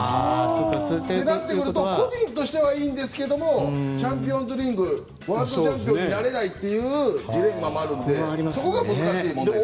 そうなってくると個人としてはいいんですけどチャンピオンズリーグワールドチャンピオンになれないというジレンマもあるのでそこが難しいですね。